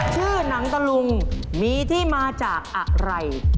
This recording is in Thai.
ชื่อหนังตะลุงมีที่มาจากอะไร